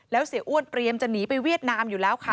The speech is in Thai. แล้วเสียอ้วนเตรียมจะหนีไปเวียดนามอยู่แล้วค่ะ